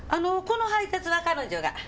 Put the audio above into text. この配達は彼女が。